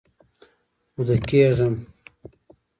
اوده کیږم